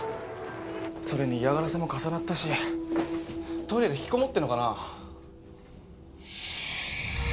それに嫌がらせも重なったしトイレで引きこもってんのかなあ？